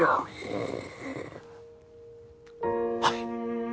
はい。